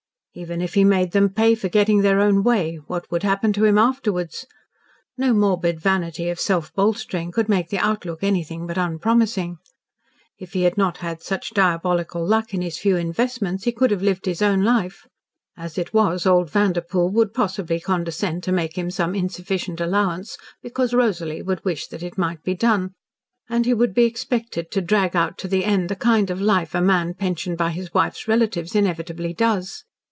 Even if he made them pay for getting their own way, what would happen to himself afterwards? No morbid vanity of self bolstering could make the outlook anything but unpromising. If he had not had such diabolical luck in his few investments he could have lived his own life. As it was, old Vanderpoel would possibly condescend to make him some insufficient allowance because Rosalie would wish that it might be done, and he would be expected to drag out to the end the kind of life a man pensioned by his wife's relatives inevitably does.